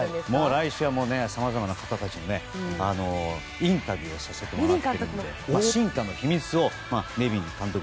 来週はさまざまな方たちにインタビューをさせてもらっているので進化の秘密をネビン監督